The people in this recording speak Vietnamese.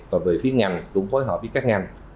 và về phía ngành cũng phối hợp với các ngành